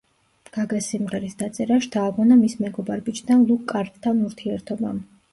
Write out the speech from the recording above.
გაგას სიმღერის დაწერა შთააგონა მის მეგობარ ბიჭთან ლუკ კარლთან ურთიერთობამ.